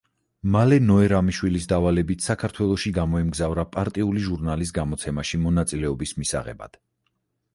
მალე ნოე რამიშვილის დავალებით საქართველოში გამოემგზავრა პარტიული ჟურნალის გამოცემაში მონაწილეობის მისაღებად.